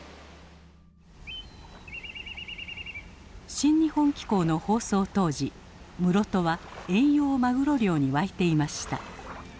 「新日本紀行」の放送当時室戸は遠洋マグロ漁に沸いていました。